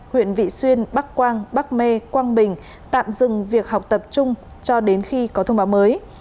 huyện vị xuyên bắc quang bắc mê quang bình tạm dừng việc học tập trung cho đến khi có thông báo mới